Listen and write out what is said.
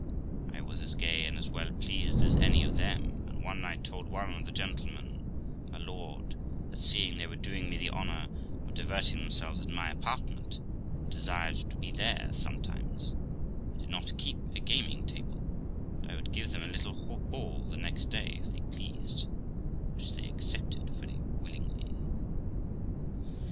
I was as gay and as well pleased as any of them, and one night told one of the gentlemen, my Lord , that seeing they were doing me the honour of diverting themselves at my apartment, and desired to be there sometimes, I did not keep a gaming table, but I would give them a little ball the next day if they pleased, which they accepted very willingly.